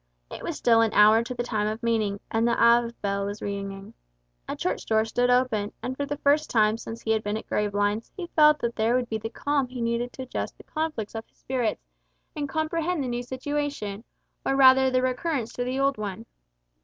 It was still an hour to the time of meeting, and the Ave bell was ringing. A church door stood open, and for the first time since he had been at Gravelines he felt that there would be the calm he needed to adjust the conflict of his spirits, and comprehend the new situation, or rather the recurrence to the old one.